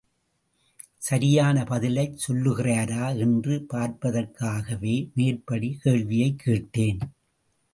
சரியான பதிலைச் சொல்லுகிறாரா என்று பார்ப்பதற்காகவே மேற்படிக் கேள்வியைக் கேட்டேன்.